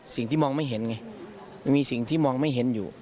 สิ่งที่มองไม่เห็นไงมันมีสิ่งที่มองไม่เห็นอยู่